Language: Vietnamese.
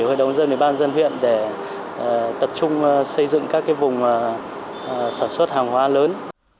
hội đồng dân hội đồng dân huyện để tập trung xây dựng các vùng sản xuất hàng hóa lớn